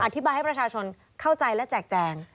ให้ประชาชนเข้าใจและแจกแจง